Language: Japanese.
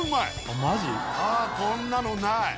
あこんなのない。